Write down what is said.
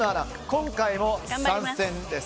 今回も参戦です。